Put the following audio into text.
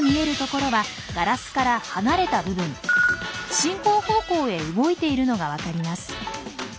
進行方向へ動いているのが分かります。